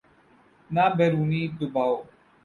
نہ بیرونی دباؤ۔